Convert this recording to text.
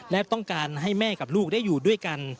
และต้องการให้แม่กับลูกได้อยู่ด้วยกัน